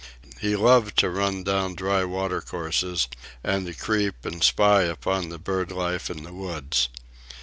He loved to run down dry watercourses, and to creep and spy upon the bird life in the woods.